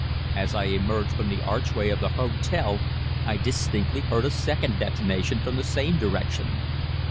As I emerged from the archway of the hotel I distinctly heard a second detonation from the same direction.